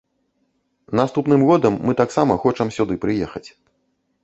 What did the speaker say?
Наступным годам мы таксама хочам сюды прыехаць.